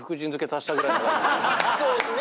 そうですね。